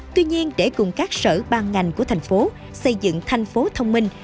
tuy nhiên để cùng các sở ban ngành của thành phố xây dựng thành phố thông minh